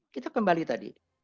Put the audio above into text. kita kembali tadi